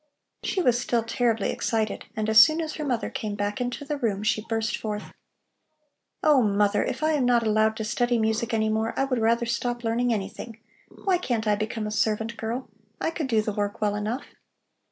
She was still terribly excited, and as soon as her mother came back to the room, she burst forth: "Oh, mother, if I am not allowed to study music any more, I would rather stop learning anything. Why can't I become a servant girl? I could do the work well enough.